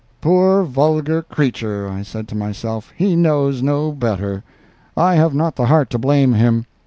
"Poor vulgar creature," I said to myself, "he knows no better. I have not the heart to blame him.